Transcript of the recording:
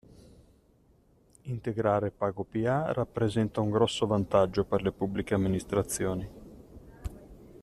Integrare PagoPA rappresenta un grosso vantaggio per le Pubbliche Amministrazioni.